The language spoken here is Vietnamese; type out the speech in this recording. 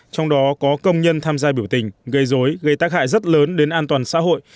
trong đó có công nhân tham gia biểu tình gây dối gây tác hại rất lớn đến an toàn xã hội